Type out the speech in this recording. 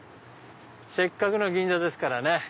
せっかくの銀座ですからね。